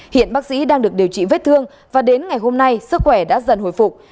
hiện bác sĩ đang được điều trị vết thương và đến ngày hôm nay sức khỏe đã dần hồi phục